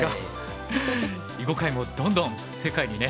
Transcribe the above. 囲碁界もどんどん世界にね